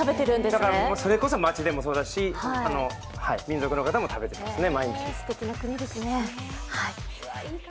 だからそれこそ街でもそうだし民族の方も毎日食べてますね。